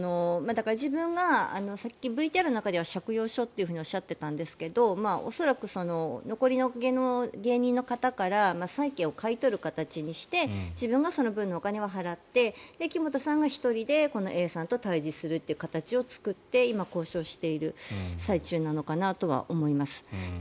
自分がさっきＶＴＲの中では借用書とおっしゃっていたんですが恐らく残りの芸人の方から債権を買い取る形にして自分がその分のお金を払って木本さんが１人でこのＡさんと対峙するという形を作って今、交渉している最中なのかなとは思います。